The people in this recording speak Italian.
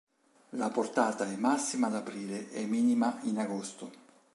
La portata è massima ad aprile e minima in agosto.